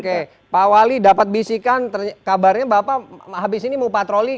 oke pak wali dapat bisikan kabarnya bapak habis ini mau patroli